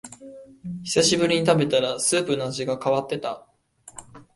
久しぶりに食べたらスープの味が変わってた